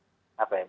jadi seperti itu pak